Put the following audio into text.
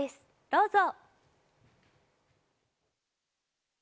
どうぞ！